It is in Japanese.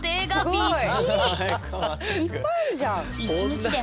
いっぱいあるじゃん。